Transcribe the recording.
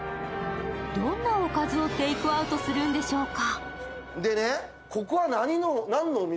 どんなおかずをテイクアウトするのでしょうか。